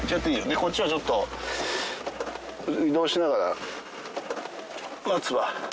でこっちはちょっと移動しながら待つわ。